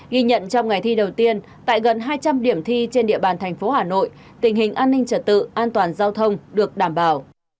ghi nhận trong ngày thi đầu tiên tại gần hai trăm linh điểm thi trên địa bàn thành phố hà nội tình hình an ninh trật tự an toàn giao thông được đảm bảo